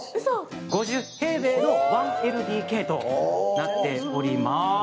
５０平米の１ＬＤＫとなっております。